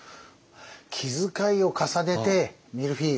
気遣いを重ねて見るフィーユ。